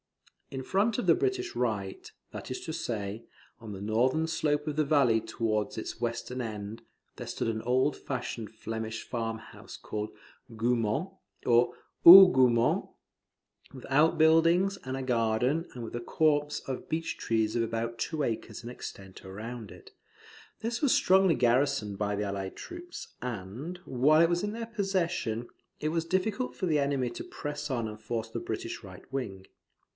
In front of the British right, that is to say, on the northern slope of the valley towards its western end, there stood an old fashioned Flemish farm house called Goumont, or Hougoumont, with out buildings and a garden, and with a copse of beach trees of about two acres in extent round it. This was strongly garrisoned by the allied troops; and, while it was in their possession, it was difficult for the enemy to press on and force the British right wing.